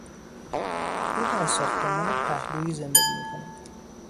او در ساختمان پهلویی زندگی میکند.